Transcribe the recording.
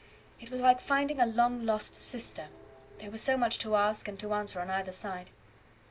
It was like finding a long lost sister; there was so much to ask and to answer on either side.